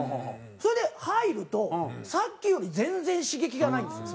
それで入るとさっきより全然刺激がないんですよ。